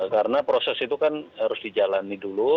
karena proses itu kan harus dijalani dulu